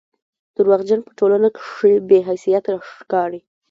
درواغجن په ټولنه کښي بې حيثيته ښکاري